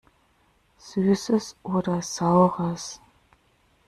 Süßes oder Saures!